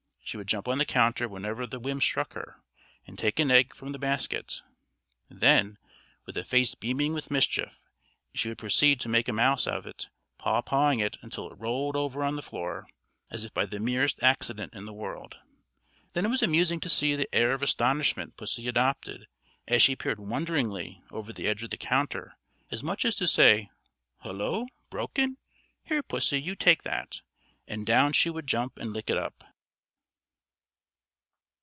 She would jump on the counter whenever the whim struck her, and take an egg from the basket; then, with a face beaming with mischief, she would proceed to make a mouse of it, paw pawing it until it rolled over on to the floor, as if by the merest accident in the world. Then it was amusing to see the air of astonishment pussy adopted, as she peered wonderingly over the edge of the counter, as much as to say, "Hullo! broken? Here, pussy, you take that." And down she would jump and lick it up.